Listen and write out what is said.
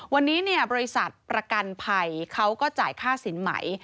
วันนี้บริษัทประกันภัยเขาก็จ่ายค่าสินใหม่